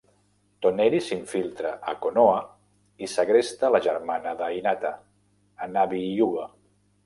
Toneri s'infiltra a Konoha i segresta la germana de Hinata, Hanabi Hyuga.